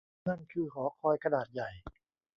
นั่นคือหอคอยขนาดใหญ่ !